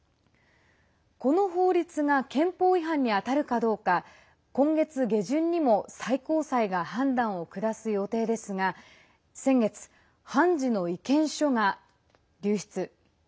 この法律が憲法違反に当たるかどうか今月下旬にも最高裁が判断を下す予定ですが先月、判事の意見書が流出。